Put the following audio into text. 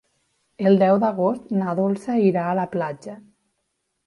El deu d'agost na Dolça irà a la platja.